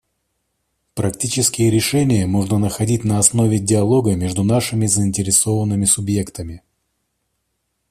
Практические решения можно находить на основе диалога между нашими заинтересованными субъектами.